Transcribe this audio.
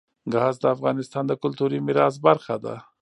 ګاز د افغانستان د کلتوري میراث برخه ده.